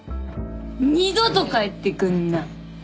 二度と帰ってくんな！